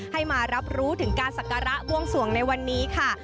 ให้มารับรู้ถึงการศักระบวงสวงในวันนี้ค่ะ